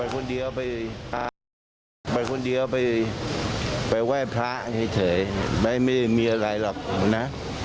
ก็ไปคนเดียวไปไหว้พระให้เถยไม่มีอะไรหรอกนะ